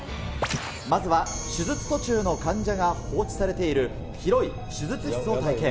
まずは手術途中の患者が放置されている広い手術室を体験。